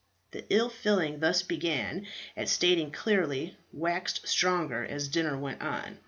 The ill feeling thus begun at starting clearly waxed stronger as dinner went on.